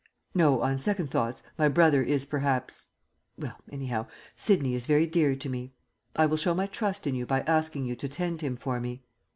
No, on second thoughts my brother is perhaps well, anyhow, Sidney is very dear to me. I will show my trust in you by asking you to tend him for me.